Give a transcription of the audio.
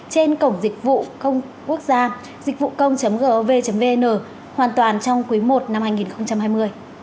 trên cổng dịch vụ công quốc gia hoàn toàn trong quý i năm hai nghìn hai mươi